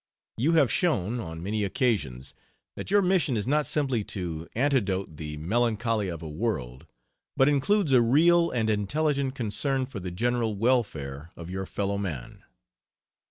You have shown, on many occasions, that your mission is not simply to antidote the melancholy of a world, but includes a real and intelligent concern for the general welfare of your fellowman."